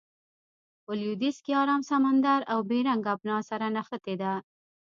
په لویدیځ کې ارام سمندر او بیرنګ آبنا سره نښتې ده.